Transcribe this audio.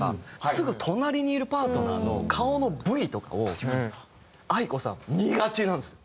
すぐ隣にいるパートナーの顔の部位とかをａｉｋｏさん見がちなんですよ。